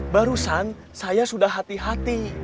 barusan saya sudah hati hati